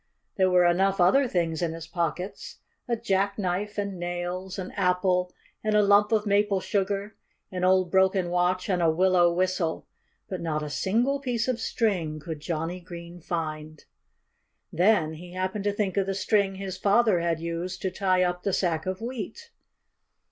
There were enough other things in his pockets a jackknife and nails, an apple and a lump of maple sugar, an old broken watch and a willow whistle. But not a single piece of string could Johnnie Green find. Then he happened to think of the string his father had used to tie up the sack of wheat.